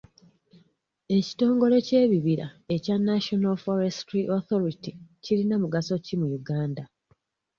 Ekitongole ky'ebibira ekya National Forestry Authority kirina mugaso ki mu Uganda?